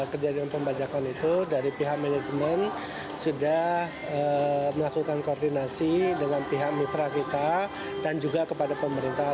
kejadian pembajakan itu dari pihak manajemen sudah melakukan koordinasi dengan pihak mitra kita dan juga kepada pemerintah